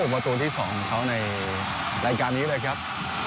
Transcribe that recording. ประตูที่๒ของเขาในรายการนี้เลยครับ